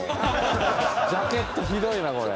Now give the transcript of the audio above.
ジャケットひどいなこれ。